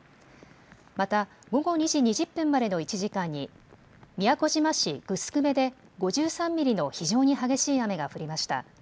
また午後２時２０分までの１時間に宮古島市城辺で５３ミリの非常に激しい雨が降りました。